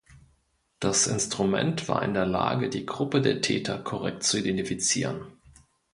Das Instrument war in der Lage, die Gruppe der Täter korrekt zu identifizieren.